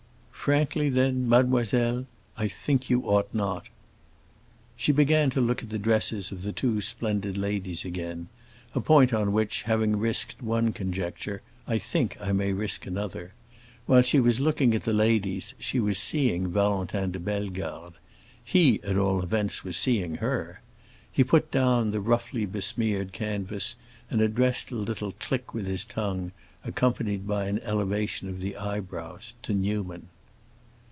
"Frankly, then, mademoiselle, I think you ought not." She began to look at the dresses of the two splendid ladies again—a point on which, having risked one conjecture, I think I may risk another. While she was looking at the ladies she was seeing Valentin de Bellegarde. He, at all events, was seeing her. He put down the roughly besmeared canvas and addressed a little click with his tongue, accompanied by an elevation of the eyebrows, to Newman.